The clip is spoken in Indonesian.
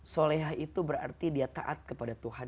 soleha itu berarti dia taat kepada tuhan